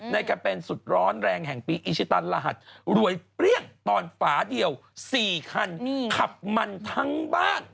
แกเป็นสุดร้อนแรงแห่งปีอิชิตันรหัสรวยเปรี้ยงตอนฝาเดียว๔คันขับมันทั้งบ้าน